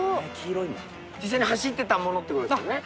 実際に走ってたものってことですよね。